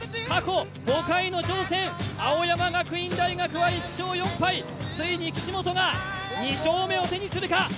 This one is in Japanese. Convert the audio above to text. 過去５回の挑戦、青山学院大学は１勝４敗、ついに岸本が２勝目を手にするか。